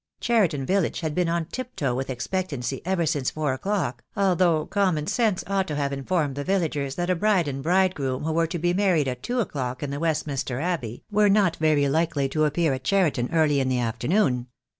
Cheriton village had been on tiptoe with expectancy ever since four o'clock, although common sense ought to have informed the villagers that a bride and bridegroom who were to be married at two o'clock in Westminster Abbey were not very likely to appear at Cheriton early in the afternoon.